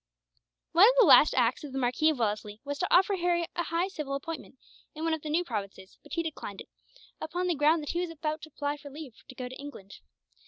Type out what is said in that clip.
One of the last acts of the Marquis of Wellesley was to offer Harry a high civil appointment, in one of the new provinces; but he declined it, upon the ground that he was about to apply for leave to go to England.